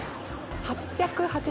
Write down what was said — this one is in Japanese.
８８０円。